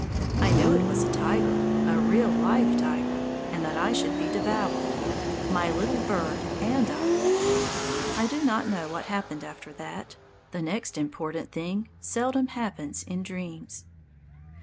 I knew it was a tiger, a real live tiger, and that I should be devoured my little bird and I. I do not know what happened after that. The next important thing seldom happens in dreams.